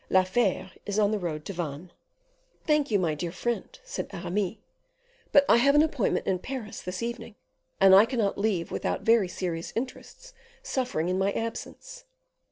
La Fere is on the road to Vannes." "Thank you, my dear friend," said Aramis, "but I have an appointment in Paris this evening, and I cannot leave without very serious interests suffering by my absence."